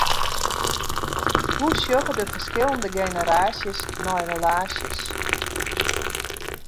Hoe sjogge de ferskillende generaasjes nei relaasjes?